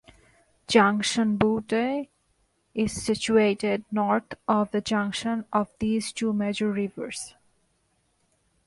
Junction Butte is situated north of the junction of these two major rivers.